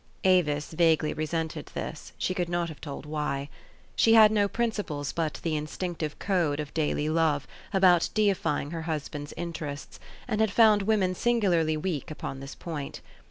Avis vaguely resented this, she could not have told why. She had no principles but the instinctive code of daily love, about deif}ing her husband's interests, and had found women singularly weak upon this point.